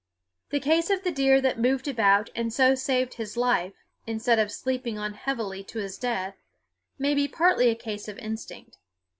The case of the deer that moved about and so saved his life, instead of sleeping on heavily to his death, may be partly a case of instinct.